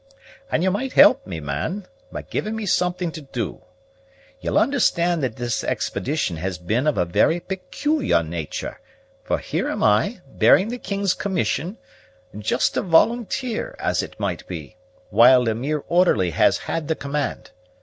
And ye might help me, man, by giving me something to do. Ye'll understand that this expedition has been of a very peculiar nature; for here am I, bearing the king's commission, just a volunteer, as it might be; while a mere orderly has had the command.